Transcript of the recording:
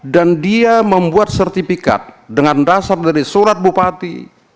dan dia membuat sertifikat dengan dasar dari surat bupati